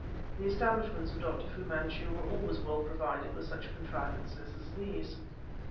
The establishments of Dr. Fu Manchu were always well provided with such contrivances as these.